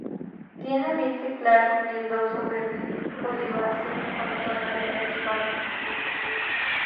Tiene el vientre claro y el dorso verde oliváceo con tonalidades pardas.